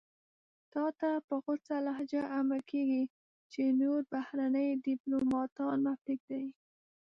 تاته په غوڅه لهجه امر کېږي چې نور بهرني دیپلوماتان مه پرېږدئ.